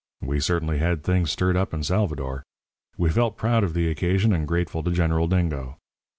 We certainly had things stirred up in Salvador. We felt proud of the occasion and grateful to General Dingo.